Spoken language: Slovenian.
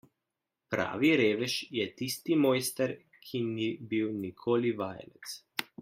Pravi revež je tisti mojster, ki ni bil nikoli vajenec.